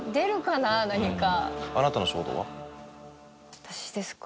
私ですか。